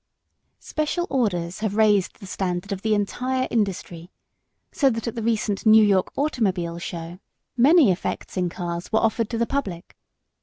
Special orders have raised the standard of the entire industry, so that at the recent New York automobile show, many effects in cars were offered to the public.